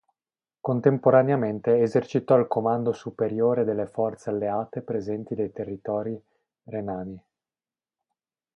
Contemporaneamente esercitò il comando superiore delle forze alleate presenti dei territori renani.